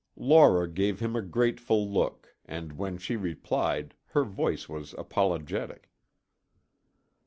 Laura gave him a grateful look and when she replied her voice was apologetic.